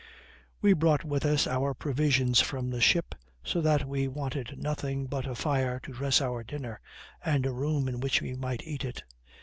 We brought with us our provisions from the ship, so that we wanted nothing but a fire to dress our dinner, and a room in which we might eat it.